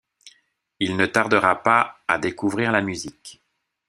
Il ne tardera pas à découvrir la musique.